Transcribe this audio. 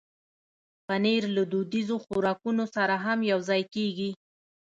پنېر له دودیزو خوراکونو سره هم یوځای کېږي.